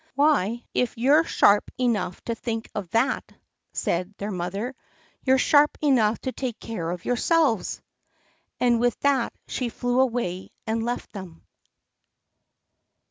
"Why, if you're sharp enough to think of that," said their mother, "you're sharp enough to take care of yourselves!" And with that she flew away and left them.